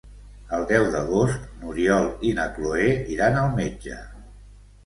El deu d'agost n'Oriol i na Cloè iran al metge.